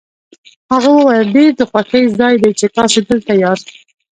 هغه وویل ډېر د خوښۍ ځای دی چې تاسي دلته یاست.